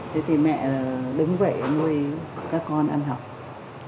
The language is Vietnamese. thế thì mẹ đứng vậy nuôi các con ăn học